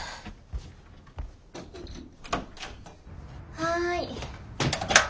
・はい。